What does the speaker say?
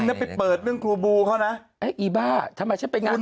คุณไปเปิดเรื่องกลัวบูเขานะไอ้บ้าทำไมจะไปกัน